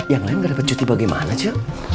yang lain gak dapat cuti bagaimana cak